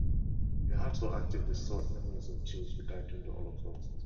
He also actively sought memories of Jews who died during the Holocaust.